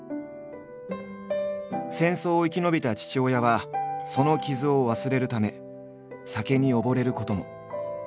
戦争を生き延びた父親はその傷を忘れるため酒に溺れることも。